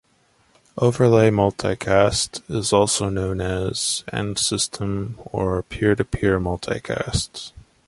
"Overlay multicast" is also known as "End System" or "Peer-to-Peer Multicast".